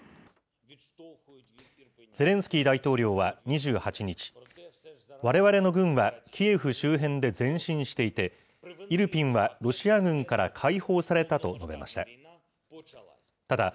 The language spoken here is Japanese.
ゼレンスキー大統領は２８日、われわれの軍はキエフ周辺で前進していて、イルピンはロシア軍から解放されたと述べました。